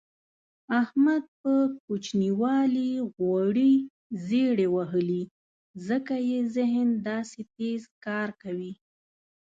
احمد په کوچینوالي غوړې زېړې وهلي ځکه یې ذهن داسې تېز کار کوي.